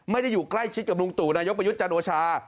ไม่ได้อยู่ใกล้ชิดกับลุงตู่นายกประยุทธ์จันโอชา